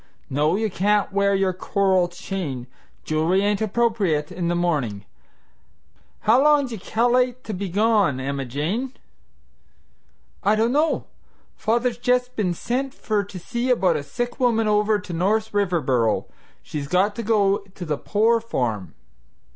No, you can't wear your coral chain jewelry ain't appropriate in the morning. How long do you cal'late to be gone, Emma Jane?" "I don't know. Father's just been sent for to see about a sick woman over to North Riverboro. She's got to go to the poor farm."